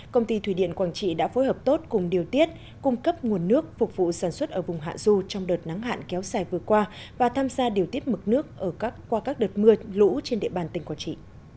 công ty thủy điện quảng trị đã phối hợp tốt cùng điều tiết cung cấp nguồn nước phục vụ sản xuất ở vùng hạ du trong đợt nắng hạn kéo xài vừa qua và tham gia điều tiết mực nước qua các đợt mưa lũ trên địa bàn tỉnh quảng trị